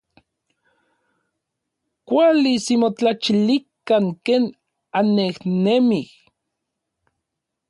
Kuali ximotlachilikan ken annejnemij.